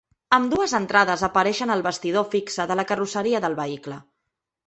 Ambdues entrades apareixen al bastidor fixe de la carrosseria del vehicle.